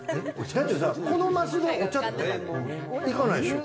だってさ、この升で、お茶っていかないでしょ。